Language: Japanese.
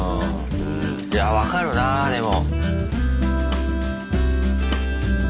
いや分かるなでも。